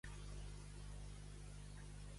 A Moror, llops.